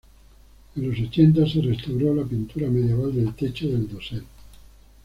En los ochenta, se restauró la pintura medieval del techo del dosel.